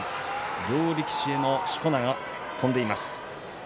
両力士のしこ名が飛んでいます。